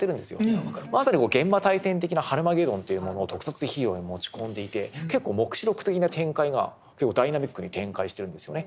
まさに「幻魔大戦」的なハルマゲドンというものを特撮ヒーローに持ち込んでいて結構黙示録的な展開がダイナミックに展開してるんですよね。